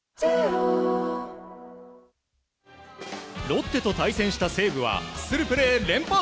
ロッテと対戦した西武はハッスルプレー連発。